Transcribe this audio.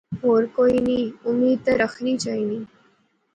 ہور کوئی نی امید تے رخنی چاینی